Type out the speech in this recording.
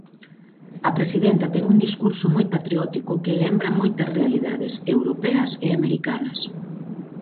A presidenta ten un discurso moi patriótico que lembra moitas realidades, europeas e americanas.